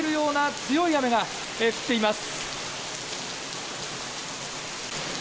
強い雨が降っています。